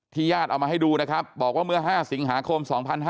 ญาติเอามาให้ดูนะครับบอกว่าเมื่อ๕สิงหาคม๒๕๕๙